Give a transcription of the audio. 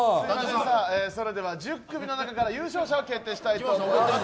それでは１０組の中から優勝者を決定したいと思います。